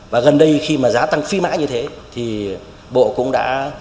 và gần đây khi mà giá tăng phi mãi như thế thì bộ cũng đã